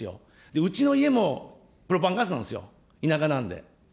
うちの家も、プロパンガスなんですよ、田舎なんで。